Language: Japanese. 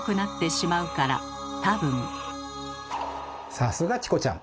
さすがチコちゃん！